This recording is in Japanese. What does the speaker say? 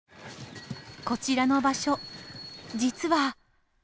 こちらの場所実は。